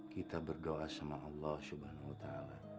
kita berdoa sama allah subhanahu wa ta'ala